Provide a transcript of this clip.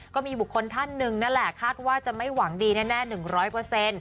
ก็มีบุคคลท่านหนึ่งนั่นแหละคาดว่าจะไม่หวังดีแน่๑๐๐เปอร์เซ็นต์